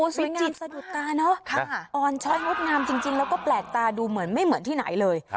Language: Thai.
สวยงามสะดุดตาเนาะอ่อนชอยงดงามจริงแล้วก็แปลกตาดูไม่เหมือนที่ไหนเลย